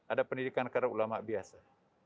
ada pendidikan karakter ulama biasa